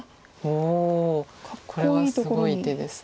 おおこれはすごい手です。